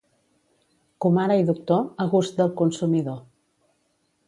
Comare i doctor, a gust del consumidor.